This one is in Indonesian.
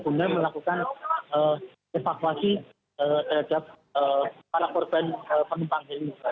untuk melakukan evakuasi terhadap para korban penumpang ini